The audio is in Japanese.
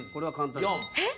えっ？